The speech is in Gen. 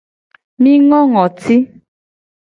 Mi ngo ngoti.